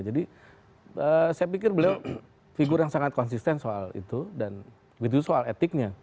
jadi saya pikir beliau figur yang sangat konsisten soal itu dan itu soal etiknya